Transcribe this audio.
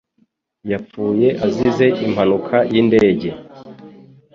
Yapfuye azize impanuka yindege.